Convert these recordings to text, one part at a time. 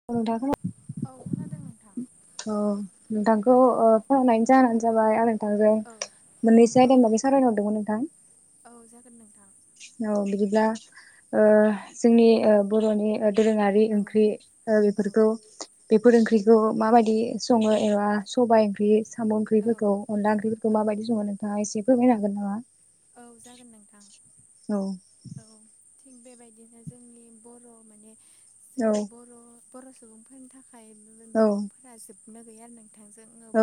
[unintelligible] औ खोनादों नोंथां। अ नोंथांखौ ओ फनहरनायनि जाहोनानो जाबाय आरो नोंथांजों औ मोननैसो औ आयदानि बागै सावरायनो हरदोंमोन नोंथां। औ जागोन नोंथां। औ बिदिब्ला ओ जोंनि बर'नि दोरोङारि औ ओंख्रि ओ बेफोरखौ बेफोर ओंख्रिखौ माबायदि सङो एबा सबाय ओंख्रि साम' औ ओंख्रिफोरखौ अनला ओंख्रिफोरखौ माबायदि औ संङो नोंथाङा एसे फोरमायनो हागोन नामा? औ जागोन नोंथां। औ औ थिग बेबायदिनो जोंनि बर' माने औ जोंनि बर' बर' सुबुंफोरनि थाखाय औ मैगंफोरा जोबनो गैया आरो नोंथां जों औ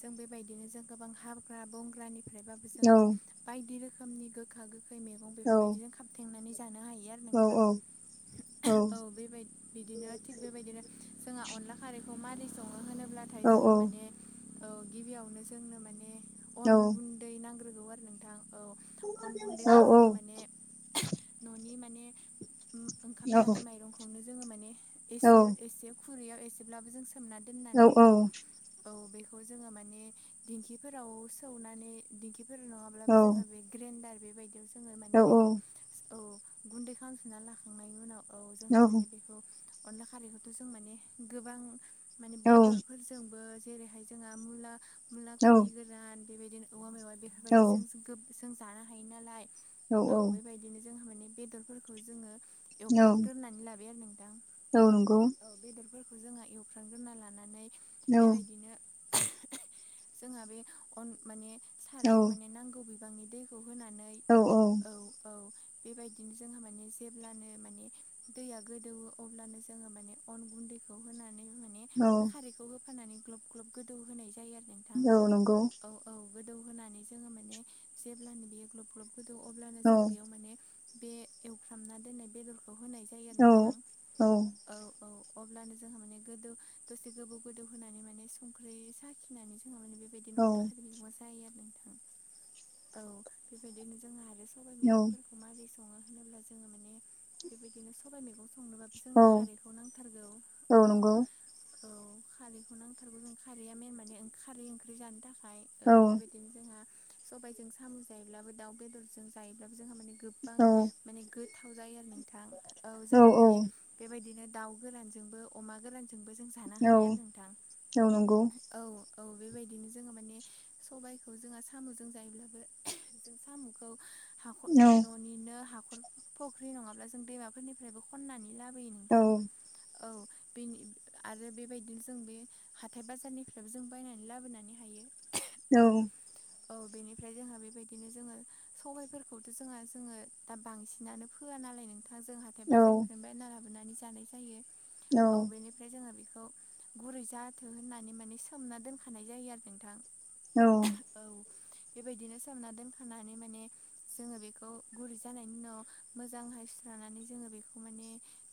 जों बेबायदिनो जों गोबां हाग्रा बंग्रानिफ्रायबाबो औ जोङो बायदि रोखोमनि गोखा गोखै मैगं बेफोरबायदिजों खाबथेंनानै जानो हायो आरो। औ नोंथां औ बेबाय बिदिनो थिग बेबायदिनो जोंहा अनला खारैखौ मारै सङो होनोब्लाथाय औ जोंहा माने औ गिबियावनो जोंनो माने अन गुन्दै नांग्रोगौ आरो नोंथां औ। अन औ गुन्दैखौ जोङो माने न'नि माने ओंखाम औ जानाय माइरंखौनो जोङो माने एसे एसे खुरैयाव एसेब्लाबो जों सोमना दोननानै औ। औ बेखौ जोङो माने दिंखिफोराव सौनानै दिंखिफोर नङाब्लाबो औ जोंहा बे ग्रेन्डार बेबायदियाव जोङो औ माने बेखौ औ गुन्दै खालामफिनना लाखांनायनि उनाव औ जोंहा माने बेखौ अनला खारैखौथ' जों माने गोबां माने औ बेदरफोर जोंबो जेरैहाय जोंहा मुला मुला औ खुथि गोरान बेबायदिनो औवा मेवा बे औ बायदिजों जों गोब जों जानो हायो नालाय औ औ बेबायदिनो जोंहा माने बेदरफोरखौ जोङो औ एवफ्रामग्रोनानै लाबाय आरो नोंथां औ नंगौ औ बेदरफोरखौ जोंहा एवफ्रामग्रोना लानानै औ बेबायदिनो [unintelligible] जोंहा बे अन माने औ सारायाव माने नांगौ बिबांनि दैखौ होनानै औ औ बेबायदिनो जोंहा माने जेब्लानो माने दैया गोदौवो अब्लानो जोङो माने अन गुन्दैखौ होनानै माने खारैखौ होफानानै ग्लब ग्लब गोदौ होनाय जायो आरो नोंथां औ नंगौ औ औ गोदौ होनानै जोङो माने जेब्लानो बेयो ग्लब ग्लब गोदौ अब्लानो औ जों बेयाव माने बे एवफ्रामना दोननाय बेदरखौ होनाय जायो आरो औ नोंथां औ औ अब्लानो जोंहा माने गोदौ दसे गोबौ गोदौ होनानै माने संख्रै साखिनानै जोंहा माने बे बेदिनो अनला खारै मैगंआ जायो आरो नोंथां औ बेबायदिनो जोंहा आरो औ खौ मारै सङो होनोब्ला जोङो माने बे बिदिनो सबाइ मैगं संनोबाबो औ जोंनो खारैखौ नांथारगौ औ औ खारैखौ नांथारगौ जों खारैया मेन माने खारै ओंख्रि जानो थाखाय औ बेबायदि खायनो जोंहा सबायजों साम' जायोब्लाबो दाउ बेदरजों जायोब्लाबो जोंहा माने गोबां माने गोथाव जायो आरो नोंथां औ जोंहा माने बेबायदिनो दाउ गोरानजोंबो अमा गोरानजोंबो जों जानो हायो आरो नोंथां औ औ औ बेबायदिनो जोङो माने सबायखौ जोङो साम'जों जायोब्लाबो जों साम'खौ हाख' औ न'निनो हाखर फख्रि नङाब्ला जों दैमाफोरनिफ्रायबो खननानै लाबोयो नों औ नोंथां औ बेनि आरो बेबायदिनो जों बे हाथाय बाजारनिफ्रायबो जों बायनानै लाबोनानै हायो [unintelligible] औ औ बेनिफ्राय जोंहा बेबायदिनो जोङो सबायफोर खौथ' जोंहा जोङो दा बांसिनानो फोआ नालाय नोंथां जों हाथाय नंगौ बाजों थोनबाय बायना लाबोनानै जानाय जायो औ बेनि ओमफ्राय जोहा बेखौ गुरै जाथों होननानै माने सोमना दोनखानाय जायो आरो नोंथां औ औ बेबायदिनो सोमना दोनखानानै माने जोङो बेखौ गुरै जानायनि उनाव मोजांहाय सुस्रानानै जोङो बेखौ माने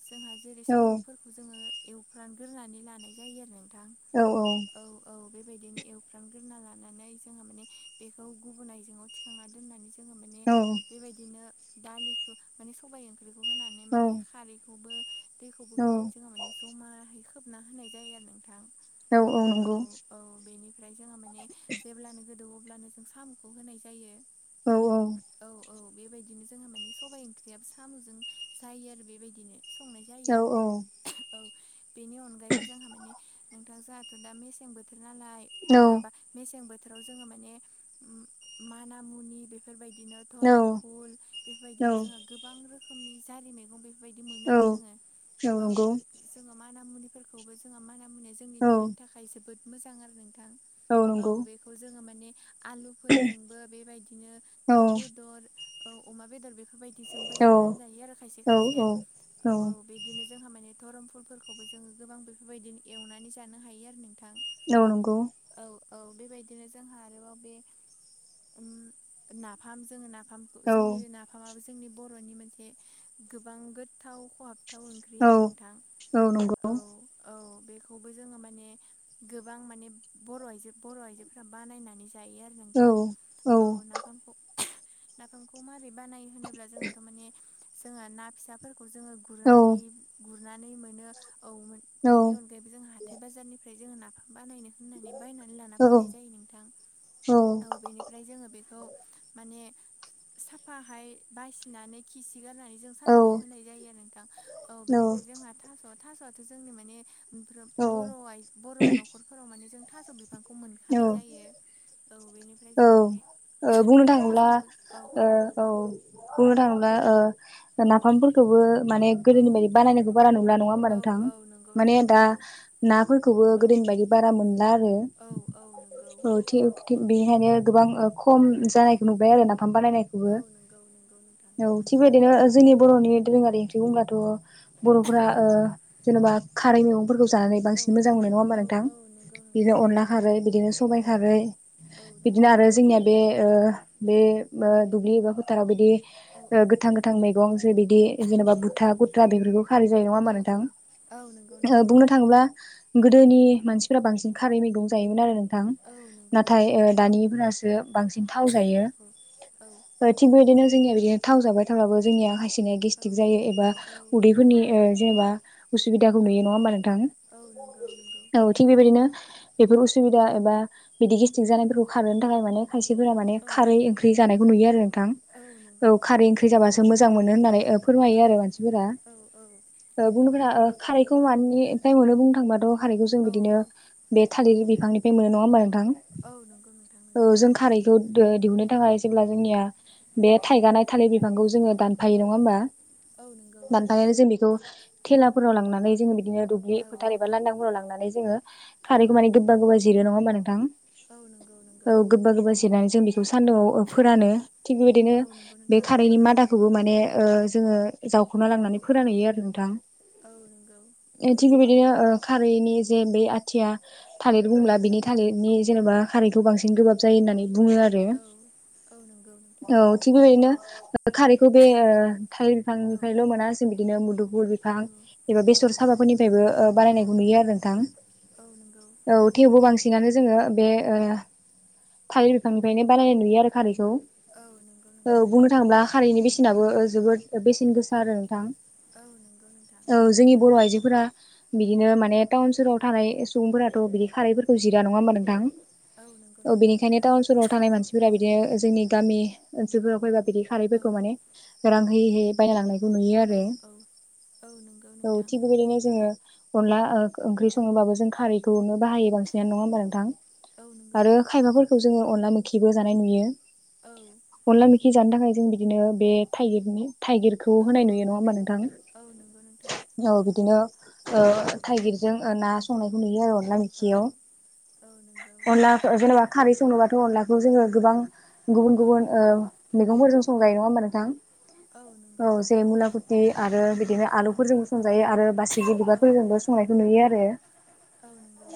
जोंहा जेरै साम'फोरखौ जोङो एवफ्रानग्रोनानै लानाय जायो आरो नोंथां औ औ औ औ बेबायदिनो एवफ्रामग्रोना लानानै जोंहा माने बेखौ गुबुन आयजेंआव थिखांना दोननानै जोङो माने औ बेबायदिनो दालिखौ माने सबाय ओंख्रिखौ होनानै माने खारैखौबो दैखौबो होनानै जोङो माने जमाहै खोबना होनाय जायो आरो नोंथां औ औ बेनिफ्राय जोंहा माने जेब्लानो गोदौओ अब्लानो जों साम'खौ होनाय जायो औ औ औ औ बेबायदिनो जोंहा मानि सबाइ ओंख्रियाबो साम'जों जायो आरो बेबायदिनो संनाय जायो औ बेनि अनगायैबो जोंहा माने नों थां जोंहाथ' दा मेसें बोथोर नालाय ओ माबा मेसें बोथोराव जोङो माने माना मुनि बेफोरबायदिनो धरम फुल औ बेफोरबायदिनो जोंङो गोबां रोखोमनि जारि मैगं बे फोर बायदि औ मोनो औ आरो जोङो औ। जोङो माना मुनिफोरखौबो जोंहा माना मुनिया जोंनि औ देहानि थाखाय जोबोद मोजां आरो नोंथां। औ बेखौ जोङो माने आलुफोरजोंबो बेबायदिनो औ दाउ बेदर औ अमा बेदर बेफोरबायदिजोंबो औ एवनानै जायो आरो खायसे खायसेया औ औ। बिदिनो जोंहा माने धरम फुलफोरखौबो जोङो गोबां बेफोरबायदिनो एवनानै जानो हायो आरो नोंथां। औ नंगौ। औ औ बेबायदिनो जोंहा आरोबाव बे उम नाफाम जोङो नाफाम औ जोंनि नाफ फामा बो जोंनि बर'नि मोनसे गोबां गोथाव खहाबथाव ओंख्रि औ आरो नोंथां। औ नंगौ औ औ बेखौबो जोङो माने गोबां माने बर' आइजो बर' आइजोफोरा बानायनानै जायो आरो। औ नोंथां औ नाफामखौ नाफाम खौ मारै बानाय होनोब्ला जोंहाथ' माने जोङा ना फिसाफोरखौ जोङो औ गुरनानै गु नानै मोनो औ बेनि अनगायैबो जों हाथाय बाजारनिफ्राय जोङो नाफाम बानायनो होननानै बायनानै लाना औ फैनाय जायो नोंथां औ बेनिफ्राय जोङो बेखौ माने साफाहाय बासिनानै खि सि गारनानै जों सानदुंआव होनाय जायो आरो नोंथां औ बेनिफ्राय जोंहा थास' थास'आथ' जोंनि माने ओमफ्रोम बर' औ आ बर' न'खरफोराव माने जों थास' बि बिफांखौ औ मोनखानाय जायो औ बेनिफ्राय जोङो माने ओ बुंनो थाङोब्ला थास'खौबो औ ओ औ बुंनो थाङोब्ला ओ औ नाफामफोरखौबो माने औ गोदोनि बायदि बानायनायखौ बारा नुला नङा होमबा औ नोंथां औ नंगौ माने नोंथां दा नंगौ नाफोरखौबो औ गोदोनि बायदि बारा मोनला आरो। औ औ नों औ थि थिग बेनिखायनो गोबां ओ खम औ जानायखौ नुबाय आरो नाफाम बानायनायखौ। औ नोंगौ नों औ थिगबायदिनो जोंनि बर'नि दोरोङारि ओंख्रि बुंब्लाथ' बर'फ्रा औ ओ औ जेन'बा खारै मैगंफोरखौ जानानै औ बांसिन मोजां मोनो नङा होमबा औ नोंथां औ नंगौ नोंथां बिदिनो नंगौ अनला खारै बिदिनो सबायाइ औ खारै औ नंगौ बिदिनो आरो जोंनिया बे ओ बे ओ दुब्लि एबा फोथाराव बिदि औ ओ औ गोथां गोथां मैगं जे बिदि जेनेबा औ बुथा गुथ्रा बेफोरखौ खारै जायो नङा औ होमबा नोंथां? औ औ नोंगौ ओ नोंगौ। बुंनो थाङोब्ला गोदोनि मानसिफोरा बांसिन खारै मैगं जायोमोन आरो ओं। नोंथां औ नंगौ नाथाय नोंथां ओ नंगौ दानिफोरासो बांसिन थाव जायो। औ औ ओ थिग बेबायदिनो जोंनिया बिदिनो थाव जाबाय थाबाबो जोंनिया खाय जोंनिया गेस्टिक जायो एबा औ उदैफोरनि ओ जेनेबा उसुबिदाखौ नुयो औ औ नङा होमबा औ नंगौ नंगौ नोंथां औ थिग बेबायदिनो बेफोर उसुबिदा एबा बिदि गेस्ट्रिक जानायफोरखौ खारनो थाखाय माने खायसेफोरा माने औ खारै ओंख्रि जानायखौ नुयो आरो नोंथां औ नंगौ औ खारै नोंथां ओंख्रि जाबासो मोजां मोनो होननानै ओ फोरमायो औ आरो मानसिफोरा। औ औ ओ गुनदुखोरा ओ खारैखौ मानिफ्राय मोनो बुंनो थांबाथ' खारैखौ जों औ बिदिनो बे औ थालिर बिफांनिफ्राय मोनो नङा होमबा नोंथां औ नंगौ नोंथां औ जों नंगौ खारै खौ दिहुननो थाखाय जेब्ला जोंनिया बे औ थाइगानाय थालिर बिफांखौ जोङो दानफायो औ नङा औ होमबा? औ नंगौ आएर जों बेखौ थेलाफोराव लांनानै जोङो बिदिनो दुब्लि औ फोथार एबा लांदांफोराव लांनानै जोङो औ खारैखौ माने गोबा गोबा जिरो नङा होमबा नोंथां? औ नोंगौ नोंगौ। औ गोबा गोबा जिरनानै जों बेखौ सान्दुंआव फोरानो औ थिग बेबायदिनो औ नंगौ बे नोंथां खारैनि मादा खौबो माने ओ जोङो जावख'ना औ लांनानै फोरानहैयो आरो नोंथां। औ नंगौ थिग बेबायदिनो ओ खारैनि जे बे आथिया थालिर औ बुंब्ला बिनि थालिरनि जेनेबा खारैखौ बांसिन गोबाब जायो होननानै बुङो आरो। औ औ नंगौ। औ थिक बेबायदिनो खारैखौ बे ओ थालिर औ बिफांनिफ्रायल' मोना जों बिदिनो मुदुमफुल फां एबा औ बेसर साबाफोरनिफ्रायबो ओ औ बानायनायखौ नुयो आरो नोंथां। औ नंगौ। औ थेवबो बांसिनानो जोङो बे ओ। थालिर बिफांनिफ्रायनो बानायनाय नुयो आरो खारैखौ। औ नंगौ। औ नोंथां बुंनो थाङोब्ला खारैनि बेसेनाबो ओ जोबोद बेसेन गोसा आरो नोंथां। औ नंगौ नोंथां औ जोंनि बर' आइजोफोरा बिदिनो माने टाउन [unintelligible] थानाय सुबुंफोराथ बिदि खारैफोरखौ जिरा नङा होमबा नोंथां। नंगौ औ नोंथां बेनिखायनो टाउन सहराव थानाय औ मानसिफोरा बि। बेओ जोंनि गामि ओनसोलफोराव फैबा बिदि औ खारैफोरखौ माने रां होयै होयै। बायना लांनायखौ नुयो आरो औ औ औ नंगौ औ नोंथां थि बेबायदिनो जोङो। अनला ओ ओंख्रि सङोबाबो जों खारैखौनो बाहायो बांसिनानो नङा औ होमबा नोंथां औ नंगौ आरो। खायबाफोरखौ जोङो अनला मोखिबो जानाय नुयो। औ अनला मेखि जानो थाखाय जों बिदिनो बे थाइगिरनि थाइगिर। खौ औ होनाय नुयो नङा होमबा नोंथां औ नंगौ नोंथां औ बिदिनो ओ थाइगिरजों ओ ना संनायखौ नुयो आरो अनला औ मेखियाव औ नंगौ अनला जेनेबा। खारै संनोबाथ' अनलाखौ जोङो गोबां गुबुन गुबुन औ ओ मैगंफोरजों संजायो नङा होमबा नोंथां। औ। औ नंगौ जे नोंथां मुलाकुति आरो बिदिहाय आलुफोरजोंबो संजायो आरो बासिगि औ बिबारफोरजोंबो सं संनायखौ नुयो आरो। औ। नंगौ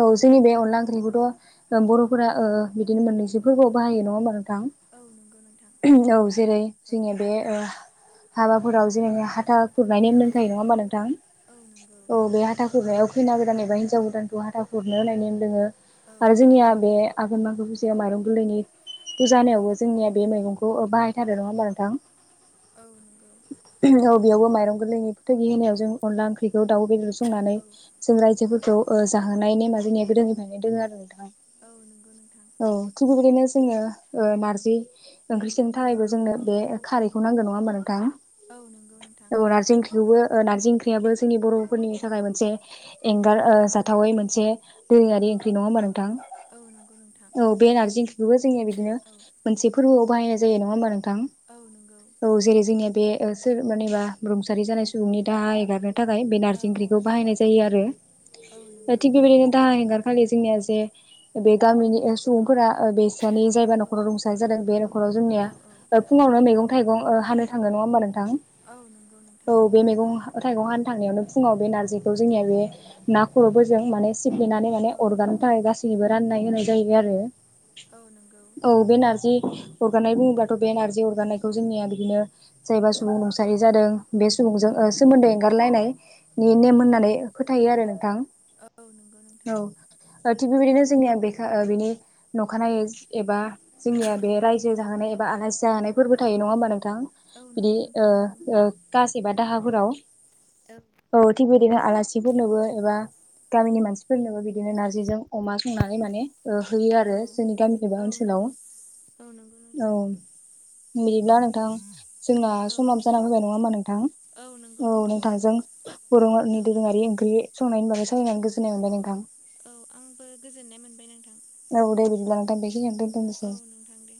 औ जोंनि बे अनला ओंख्रि खौथ बर'फोरा ओ बिदिनो मोननैसो फोरबोआव बाहायो नङा होमबा नोंथां। औ नंगौ नोंथां औ जेरै औ जोंनि बे ओ हाबाफोराव जेरै हाथा खुरनाय नेम औ दंखायो नङा होमबा नोंथां औ नंगौ औ बे खुरनायाव खैना गोदान एबा हिन्जाव गोदानखौ हाथा खुरनो होनाय नेम दोङो औ आरो जोंनिया बे आगोन मागो फुजायाव माइरं गोरलैनि फुजा औ होनायावबो जोंनिया बे मैगंखौ बाहायथारो नङा होमबा नोंथां। औ नंगौ औ बियावबो माइरं गोरलैनि थोगि होनायाव जों अनला ओंख्रिखौ दाउ बेदर संनानै औ जों औ रायजोफोरखौ। ओ जाहोनाय नेमा जोंनिया गोदोनिफायनो दोङो आरो नोंथां। औ नंगौ नोंथां। औ थिग बेबायदिनो जोङो ओ नारजि ओंख्रि संनो औ थाखायबो जोंनो बे। खारैखौ नांगौ नङा होमबा नोंथां औ नंगौ नोंथां औ नारजि ओंख्रिखौबो ओ नारजि ओंख्रियाबो जोंनि बर'। फोरनि औ थाखाय मोनसे। एंगार औ ओ जाथावै मोनसे दोरोङारि औ ओंख्रि नङा होनबा नोंथां। औ नंगौ नोंथां औ बे नारजि ओंख्रिखौबो जोंनिया बिदिनो औ मोनसे फोरबोआव बाहायनाय जायो नङा होमबा नोंथां। औ नंगौ। औ जेरै जोंनिया बे ओ सोर मानेबा रुंसारि जानाय सुबुंनि दाहा एंगारनो थाखाय बे औ नारजि ओंख्रिखौ बाहायनाय जायो आरो औ नंगौ थिग बेबायदिनो दाहा एंगारनो खालि जोंनिया जे बे गामिनि सुबुंफोरा बे [unintelligible] जायबा औ न'खराव रुंसारि जादों बे न'खराव जोंनिया औ फुंआवनो औ मैगं थाइगं ओ हानो। [unintelligible] औ नंगौ औ नोंथां। बे मैगं थाइगं हानो थांनायावनो फुङाव बे नारजिखौ जोंनिया बे ना खर'फोरजों माने सिफ्लेनानै माने औ अरगानो थाखाय गासैनोबो राननाय होनाय जाहैबाय आरो। औ नोंगौ। औ बे नारजि अरगानाय बुङोब्लाथ' बे नार्जि अरगानायखौ जोंनिया बिदिनो जायबा औ सुबुं रुंसारि जादों बे सुबुंजों औ ओ सोमोन्दो एंगारलायनायनि औ नेम होनना नै फोथायो आरो नोंथां औ औ नंगौ नोंथां औ। ओ थिग बेबायदिनो जोंनिया बेखो ओ बिनि औ अखानायै एबा जोंनिया बे रायजो जाहोनाय एबा आलासि जाहोनाय फोरबो औ थायो नङा होमबा नोंथां औ बिदि नंगौ ओ नोंथां नंगौ ओ कास एबा दाहाफोराव। ओ औ थिग बिदिनो आलासिफोरनोबो एबा गामिनि मानसिफोर फोरनोबो बिदिनो नारजिजों अमा संनानै माने ओ होयो आरो औ जोंनि गामि एबा औ ओनसोलाव। नंगौ औ नोंगौ औ नोंथां बिदिब्ला नोंथां जोंना औ समाबो जाना फैबाय नङा होमबा नोंथां? नंगौ औ नोंथां नंगौ नोंथांजों [unintelligible] नि औ दोरोङारि ओंख्रि संनायनि बागै सावरायनानै गोजोननाय मोनबाय नोंथां। औ आंबो गोजोननाय मोनबाय नोंथां। औ दे बिदिब्ला नोंथां बेखिनियावनो दोन औ नोंथां दे।